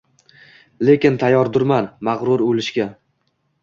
Lekin tayyordurman mag‘rur o‘lishga